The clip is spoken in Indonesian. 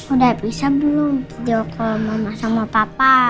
udah bisa belum video call mama sama papa